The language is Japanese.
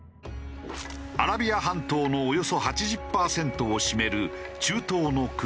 アラビア半島のおよそ８０パーセントを占める中東の国